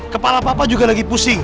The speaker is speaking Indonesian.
kepala papa juga lagi pusing